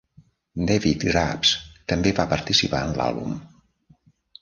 David Grubbs també va participar en l'àlbum.